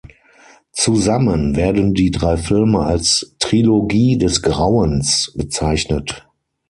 Zusammen werden die drei Filme als „Trilogie des Grauens“ bezeichnet.